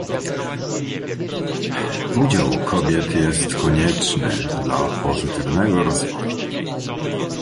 Udział kobiet jest konieczny dla pozytywnego rozwoju